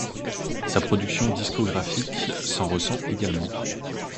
Sa production discographique s'en ressent également.